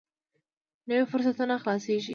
نوي فرصتونه خلاصېږي.